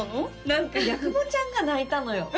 何か矢久保ちゃんが泣いたのよ